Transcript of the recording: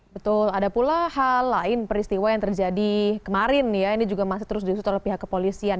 betul ada pula hal lain peristiwa yang terjadi kemarin ya ini juga masih terus diusut oleh pihak kepolisian